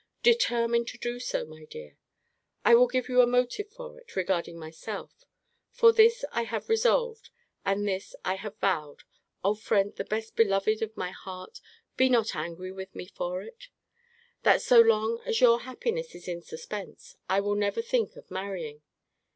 Determine to do so, my dear. I will give you a motive for it, regarding myself. For this I have resolved, and this I have vowed, [O friend, the best beloved of my heart, be not angry with me for it!] 'That so long as your happiness is in suspence, I will never think of marrying.'